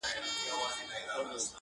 درته ښېرا كومه،